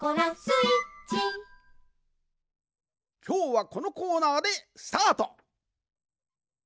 きょうはこのコーナーでスタート。